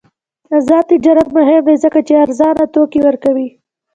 آزاد تجارت مهم دی ځکه چې ارزان توکي ورکوي.